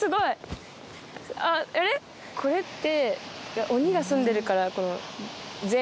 これって。